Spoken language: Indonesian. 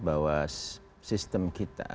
bahwa sistem kita